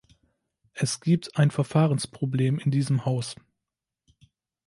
Es gibt ein Verfahrensproblem in diesem Haus.